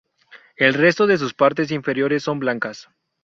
El resto de sus partes inferiores son blancas.